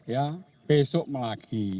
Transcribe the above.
ya besok lagi